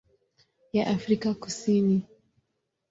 ya Afrika Kusini.